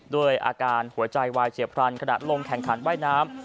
ด้วยอาการหัวใจวายเฉียบพลันขณะลงแข่งขันว่ายน้ำ